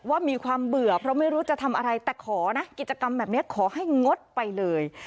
ว่ามีความเบื่อเพราะไม่รู้จะทำอะไรแต่ขอนะกิจกรรมแบบนี้ขอให้งดไปเลย